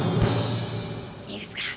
いいっすか。